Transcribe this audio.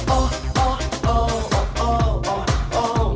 โอ๊ะโอ๊ะโอ๊ะโอ๊ะโอ๊ะโอ๊ะ